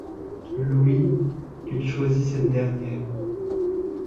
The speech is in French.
Louis, il choisit cette dernière.